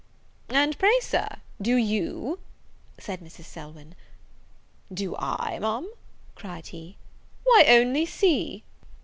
"And pray, Sir, do you?" said Mrs. Selwyn. "Do I, Ma'am?" cried he; "why, only see!"